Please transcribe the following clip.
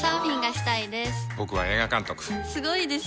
すごいですね。